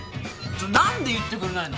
何で言ってくれないの？